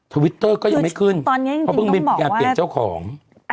ทวิตเตอร์ก็ยังไม่ขึ้นอยากเปลี่ยนเจ้าของตอนนี้จริงต้องบอกว่า